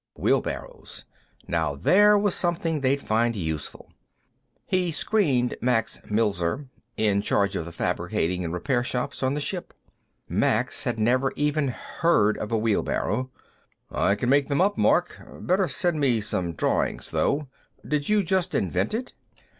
Wheelbarrows; now there was something they'd find useful. He screened Max Milzer, in charge of the fabricating and repair shops on the ship. Max had never even heard of a wheelbarrow. "I can make them up, Mark; better send me some drawings, though. Did you just invent it?"